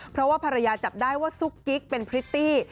เพราะว่าภรรยาจับได้ว่าซุกกิ๊กเป็นพริตตี้